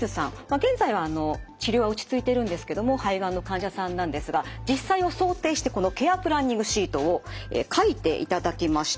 現在は治療は落ちついてるんですけども肺がんの患者さんなんですが実際を想定してこのケア・プランニングシートを書いていただきました。